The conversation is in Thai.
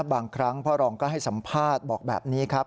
บางครั้งพ่อรองก็ให้สัมภาษณ์บอกแบบนี้ครับ